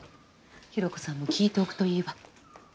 ひろ子さんも聞いておくといいわ。